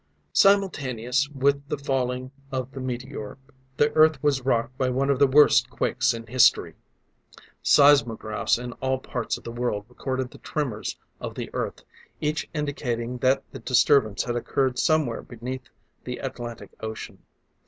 Simultaneous with the falling of the meteor, the Earth was rocked by one of the worst quakes in history. Seismographs in all parts of the world recorded the tremors of the Earth, each indicating that the disturbance had occurred somewhere beneath the Atlantic ocean.